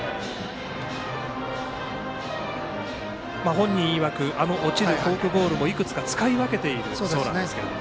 本人いわく落ちるフォークボールもいくつか使い分けているそうなんですけど。